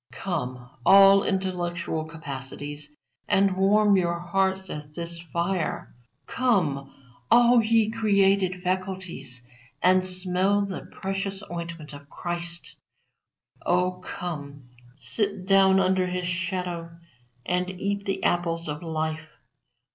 Come, all intellectual capacities, and warm your hearts at this fire. Come, all ye created faculties, and smell the precious ointment of Christ. Oh come, sit down under His shadow and eat the apples of life.